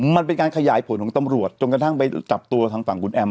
มันเป็นการขยายผลของตำรวจจนกระทั่งไปจับตัวทางฝั่งคุณแอม